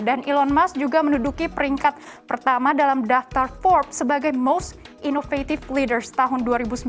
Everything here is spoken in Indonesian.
dan elon musk juga menduduki peringkat pertama dalam daftar forbes sebagai most innovative leader tahun dua ribu sembilan belas